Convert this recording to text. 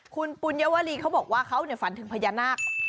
คุณปุญวรีเขาบอกว่าเขาฝันถึงพญานาค